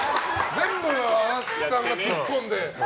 全部足立さんがツッコんで。